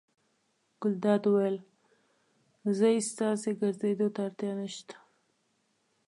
ګلداد وویل: ځئ ستاسې ګرځېدو ته اړتیا نه شته.